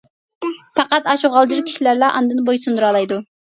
پەقەت ئاشۇ غالجىر كىشىلەرلا ئاندىن بويسۇندۇرالايدۇ.